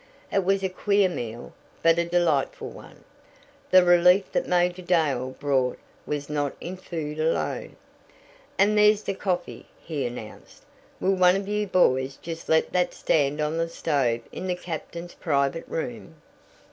It was a queer meal but a delightful one. The relief that Major Dale brought was not in food alone. "And there's the coffee!" he announced. "Will one of you boys just let that stand on the stove in the captain's private room?"